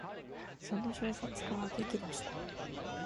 その小説家は激怒した。